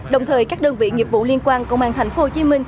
đồng thời các đơn vị nghiệp vụ liên quan công an tp hcm